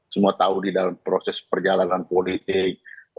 semua tahu di dalam proses perjalanan politik